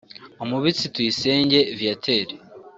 Umubitsi Tuyisenge Viateur